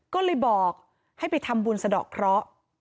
ก็เลยบอกให้ไปทำบุญสะดอกเคราะห์